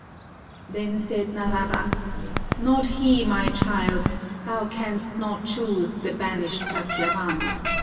Then said Narada, "Not he, my child, — thou canst not choose the banished Satyavan.